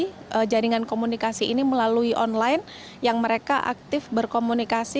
jadi jaringan komunikasi ini melalui online yang mereka aktif berkomunikasi